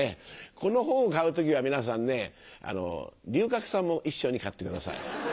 この本を買う時は皆さんね龍角散も一緒に買ってください。